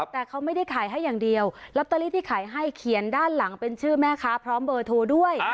แต่เขาไม่ได้ขายให้อย่างเดียวลอตเตอรี่ที่ขายให้เขียนด้านหลังเป็นชื่อแม่ค้าพร้อมเบอร์โทรด้วย